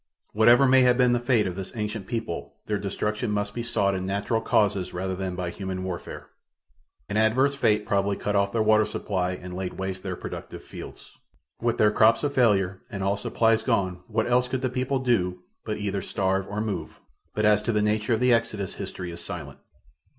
Whatever may have been the fate of this ancient people their destruction must be sought in natural causes rather than by human warfare. An adverse fate probably cut off their water supply and laid waste their productive fields. With their crops a failure and all supplies gone what else could the people do but either starve or move, but as to the nature of the exodus history is silent.